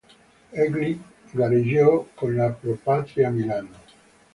Egli gareggiò con la Pro Patria Milano.